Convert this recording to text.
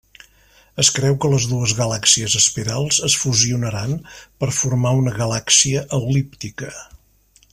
Es creu que les dues galàxies espirals es fusionaran per formar una galàxia el·líptica.